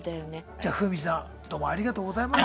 じゃフーミンさんどうもありがとうございます。